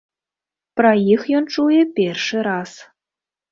Пра іх ён чуе першы раз.